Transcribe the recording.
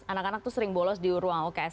anak anak itu sering bolos di ruang uks